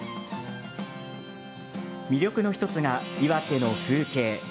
魅力の１つが、岩手の風景。